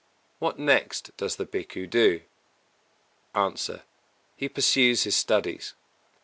What next does the Bhikkhu do? A. He pursues his studies.